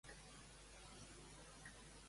Què fa llavors la senyora Socors?